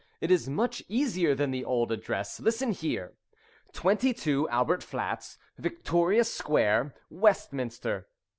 "It is much easier than the old address. Listen here! '22, Albert Flats, Victoria Square, Westminster.'